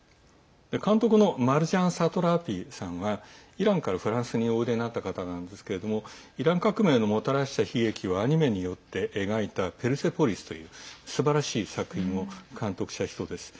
監督のマルジャン・サトラピさんはイランからフランスにおいでになった方なんですけれどもイラン革命のもたらした悲劇をアニメによって描いた「ペルセポリス」というすばらしい作品を監督した人です。